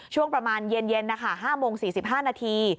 ช่วงประมาณเย็นนะคะ๕โมง๔๕นาที